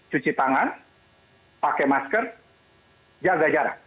cuci tangan pakai masker jaga jarak